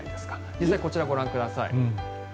実際こちらご覧ください。